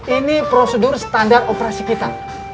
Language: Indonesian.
ini prosedur standar operasi kita